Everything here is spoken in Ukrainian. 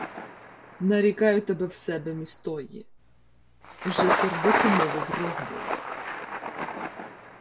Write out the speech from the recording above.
— Нарікаю тебе в себе містої — вже сердито мовив Рогволод.